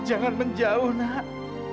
jangan menjauh nak